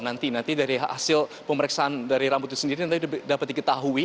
nanti nanti dari hasil pemeriksaan dari rambut itu sendiri nanti dapat diketahui